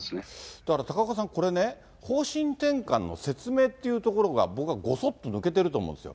だから高岡さん、これね、方針転換の説明っていうところが、僕はごそっと抜けてると思うんですよ。